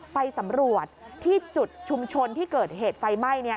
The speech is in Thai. ไปสำรวจที่จุดชุมชนที่เกิดเหตุไฟไหม้